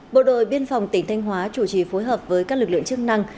bộ đội biên phòng tỉnh thanh hóa chủ trì phối hợp với các lực lượng chức năng